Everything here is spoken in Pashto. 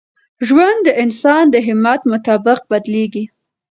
ژوند د انسان د همت مطابق بدلېږي.